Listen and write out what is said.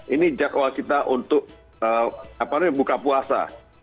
ini jadwal kita untuk buka puasa